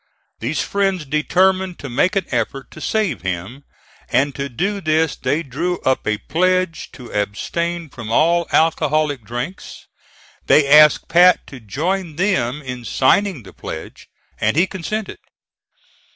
These friends determined to make an effort to save him, and to do this they drew up a pledge to abstain from all alcoholic drinks. They asked Pat to join them in signing the pledge, and he consented.